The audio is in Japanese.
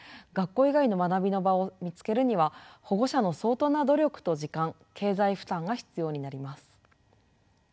学校以外の学びの場を見つけるには保護者の相当な努力と時間経済負担が必要になります。